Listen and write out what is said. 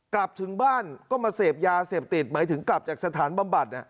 กลับถึงบ้านก็มาเสพยาเสพติดหมายถึงกลับจากสถานบำบัด